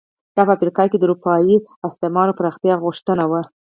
دا په افریقا کې د اروپایي استعمار او پراختیا غوښتنې وو.